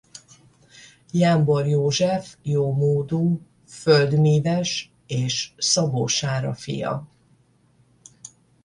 Jámbor József jómódú földmíves és Szabó Sára fia.